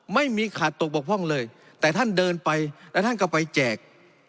ไม่มีขาดตกบกพร่องเลยแต่ท่านเดินไปแล้วท่านก็ไปแจก